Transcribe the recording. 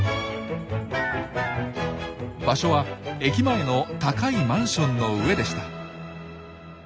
場所は駅前の高いマンションの上でした。